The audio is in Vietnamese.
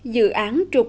dự án trục đường